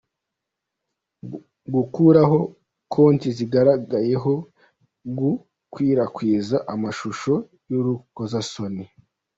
gukuraho konti zigaragayeho gukwirakwiza amashusho y’urukozasoni.